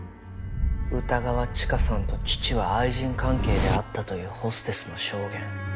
歌川チカさんと父は愛人関係であったというホステスの証言。